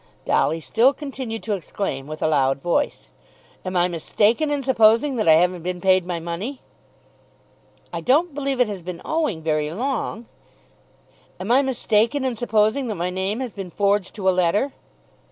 Dolly still continued to exclaim with a loud voice. "Am I mistaken in supposing that I haven't been paid my money?" "I don't believe it has been owing very long." "Am I mistaken in supposing that my name has been forged to a letter?"